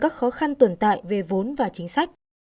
các khó khăn tồn tại về vốn và chính sách